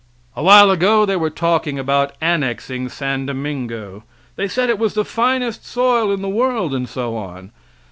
Awhile ago they were talking about annexing San Domingo. They said it was the finest soil in the world, and so on.